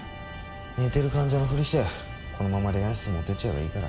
寝てる患者のふりしてこのまま霊安室に持ってっちゃえばいいから。